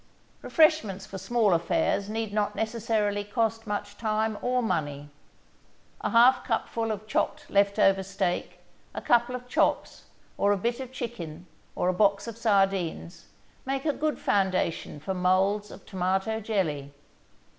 Refreshments for small affairs need not necessarily cost much time or money. A half cupful of chopped left over steak, a couple of chops or a bit of chicken or a box of sardines, make a good foundation for molds of tomato jelly.